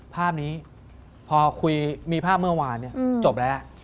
ภาพนี้พอคุยมีภาพเมื่อวานจบแล้ว